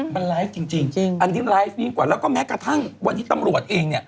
มันไลฟ์จริงอันนี้ไลฟ์ยิ่งกว่าแล้วก็แม้กระทั่งวันนี้ตำรวจเองเนี่ย